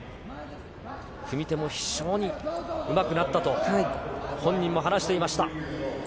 組み手も非常にうまくなったと本人も話していました。